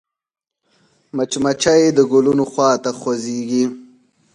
مچمچۍ د ګلونو خوا ته خوځېږي